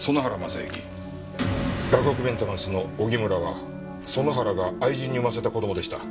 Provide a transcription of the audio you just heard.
洛北メンテナンスの荻村は園原が愛人に生ませた子供でした。